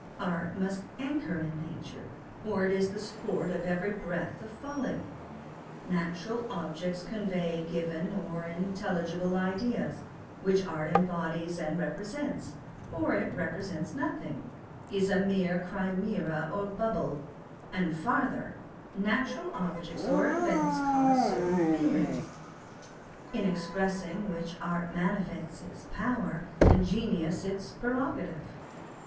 Art must anchor in nature, or it is the sport of every breath of folly. Natural objects convey given or intelligible ideas, which art embodies and re presents, or it represents nothing, is a mere chimera or bubble ; and, farther, natural objects or events cause certain feelings, in expressing which art manifests its power, and genius its prerogative.